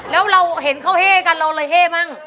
แล้วเราเห็นเข้าห้วงกันอะไรหัวห้วงง